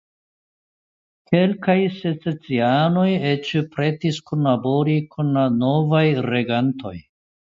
Kelkaj secesianoj eĉ pretis kunlabori kun la novaj regantoj.